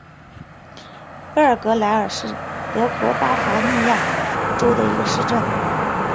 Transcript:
贝尔格莱尔恩是德国巴伐利亚州的一个市镇。